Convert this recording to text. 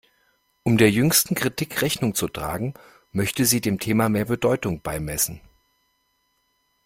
Um der jüngsten Kritik Rechnung zu tragen, möchte sie dem Thema mehr Bedeutung beimessen.